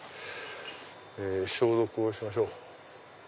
消毒をしましょう。